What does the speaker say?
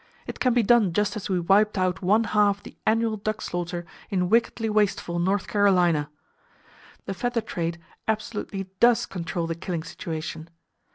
It can be done just as we wiped out one half the annual duck slaughter in wickedly wasteful North Carolina! The feather trade absolutely does control the killing situation!